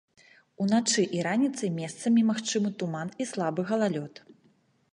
Уначы і раніцай месцамі магчымы туман і слабы галалёд.